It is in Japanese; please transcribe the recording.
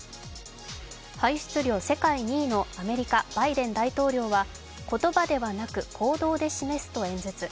排出量世界２位のアメリカ・バイデン大統領は言葉ではなく行動で示すと演説。